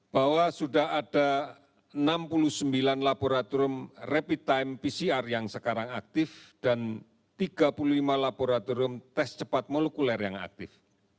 bahwa sudah ada enam puluh sembilan laboratorium rapid time pcr yang sekarang aktif dan tiga puluh lima laboratorium tes cepat molekuler yang aktif